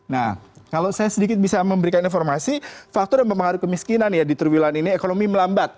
nah kalau saya sedikit bisa memberikan informasi faktor yang mempengaruhi kemiskinan ya di triwilan ini ekonomi melambat